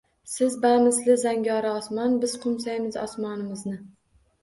Siz bamisli zangori osmon, biz qoʻmsaymiz osmonimizni.